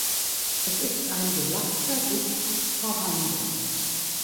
Es ist ein gelappter Diskus vorhanden.